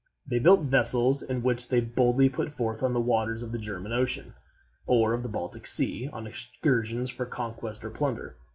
They built vessels, in which they boldly put forth on the waters of the German Ocean or of the Baltic Sea on excursions for conquest or plunder.